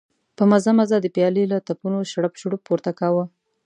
په مزه مزه د پيالې له تپونو شړپ شړوپ پورته کاوه.